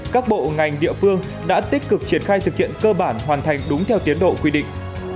các bộ ngành địa phương đã tích cực triển khai thực hiện cơ bản hoàn thành đúng theo tiến độ quy định